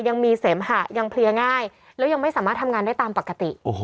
ยังมีเสมหะยังเพลียง่ายแล้วยังไม่สามารถทำงานได้ตามปกติ